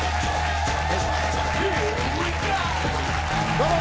どうも。